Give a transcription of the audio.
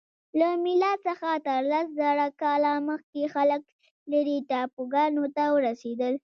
له میلاد څخه تر لس زره کاله مخکې خلک لیرې ټاپوګانو ته ورسیدل.